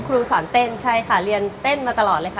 ครูสอนเต้นใช่ค่ะเรียนเต้นมาตลอดเลยค่ะ